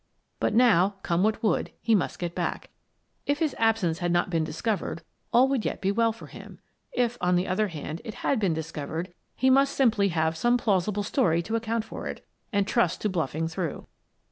But now, come what would, he must get back. If his absence had not been discovered, all would yet be well for him. If, on the other hand, it had been discovered, he must simply have some plaus ible story to account for it, and trust to bluffing through.